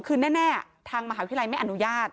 คือแน่ทางมหาวิทยาลัยไม่อนุญาต